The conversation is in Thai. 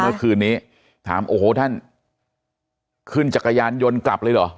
เมื่อคืนนี้ถามโอ้โหท่านขึ้นจักรยานยนต์กลับเลยเหรอ